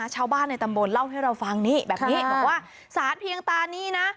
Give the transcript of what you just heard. ชาวบ้านในตำบลเล่าให้เราฟังนี่แบบนี้บอกว่าสารเพียงตานี้นะ